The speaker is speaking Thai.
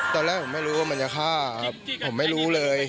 ตอนแรกผมไม่รู้ว่ามันจะฆ่าครับผมไม่รู้เลย